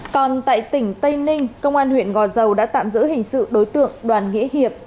còn tại tỉnh tây ninh công an huyện gò dầu đã tạm giữ hình sự đối tượng đoàn nghĩa hiệp